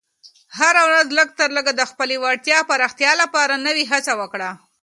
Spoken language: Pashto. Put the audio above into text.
هره ورځ لږ تر لږه د خپلې وړتیا پراختیا لپاره نوې هڅه وکړه.